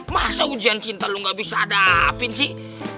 masa ujian cinta lu gak bisa hadapin sih